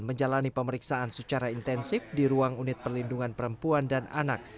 menjalani pemeriksaan secara intensif di ruang unit perlindungan perempuan dan anak